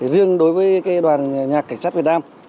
riêng đối với đoàn nhạc cảnh sát việt nam